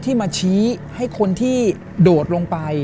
ที่มาชี้ให้คนที่โดดลงไป